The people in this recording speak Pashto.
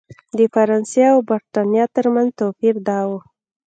د فرانسې او برېټانیا ترمنځ توپیر دا و.